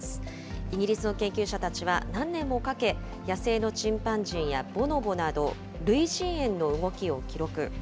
イギリスの研究者たちは何年もかけ、野生のチンパンジーやボノボなど、類人猿の動きを記録。